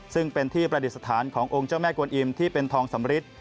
ซึ่งเป็นที่ประดิษฐานขององค์เจ้าแม่กวนอิมที่เป็นทองสำริท